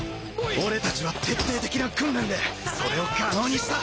俺たちは徹底的な訓練でそれを可能にした。